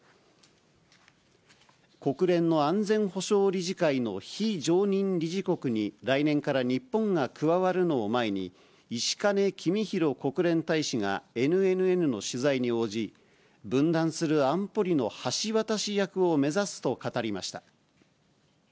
国連の安全保障理事会の非常任理事国に来年から日本が加わるのを前に、石兼公博国連大使がＮＮＮの取材に応じ、分断する安保理の橋渡し役を目指すと語りました。